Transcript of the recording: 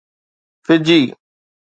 فجي